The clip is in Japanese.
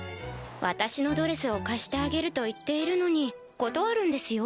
私のドレスを貸してあげると言っているのに断るんですよ。